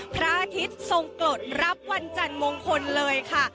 พระอาทิตย์ทรงกรดรับวันจันทร์มงคลเลยค่ะ